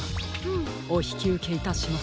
おひきうけいたします。